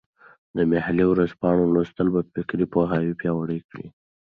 د محلي ورځپاڼو لوستل به فکري پوهاوي پیاوړی کړي.